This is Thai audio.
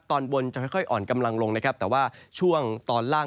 ก็จะมีการแผ่ลงมาแตะบ้างนะครับ